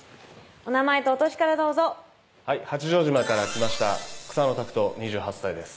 お名前とお歳からどうぞはい八丈島から来ました草野琢人２８歳です